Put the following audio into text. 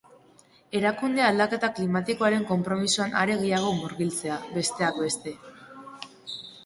Erakundea aldaketa klimatikoaren konpromisoan are gehiago murgiltzea, besteak beste.